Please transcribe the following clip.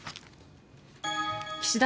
岸田